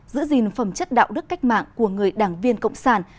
giữ gìn phẩm chất đạo đức cách mạng của người đảng viên cộng sản